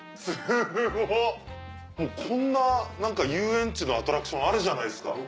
こんな遊園地のアトラクションあるじゃないですか。